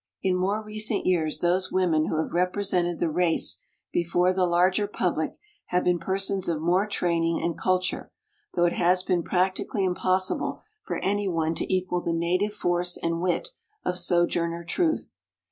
In 10 WOMEN OF ACHIEVEMENT more recent years those women who have represented the race before the larger public have been persons of more training and cul ture, though it has been practically impos sible for any one to equal the native force and wit of Sojourner Truth.